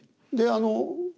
であの